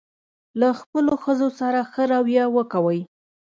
له خپلو ښځو سره ښه راویه وکوئ.